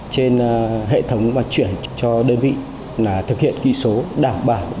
trên hệ thống và chuyển cho đơn vị là thực hiện ký số đảm bảo